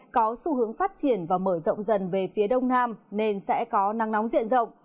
có xu hướng phát triển và mở rộng dần về phía đông nam nên sẽ có nắng nóng diện rộng